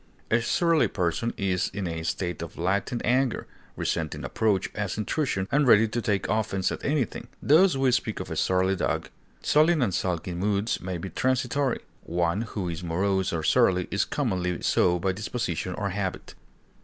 A surly person is in a state of latent anger, resenting approach as intrusion, and ready to take offense at anything; thus we speak of a surly dog. Sullen and sulky moods may be transitory; one who is morose or surly is commonly so by disposition or habit.